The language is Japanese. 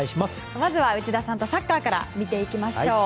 まずは内田さんとサッカーから見ていきましょう。